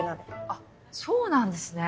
あっそうなんですね。